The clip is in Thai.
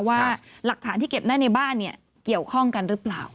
ว่าหลักฐานที่เก็บได้ในบ้านเนี่ยเกี่ยวข้องกันหรือเปล่า